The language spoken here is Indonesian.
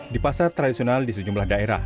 di pasar tradisional di sejumlah daerah